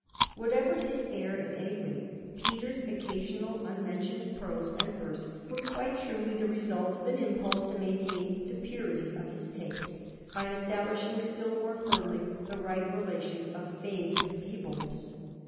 Whatever his air, at any rate, Peter's occasional unmentioned prose and verse were quite truly the result of an impulse to maintain the purity of his taste by establishing still more firmly the right relation of fame to feebleness.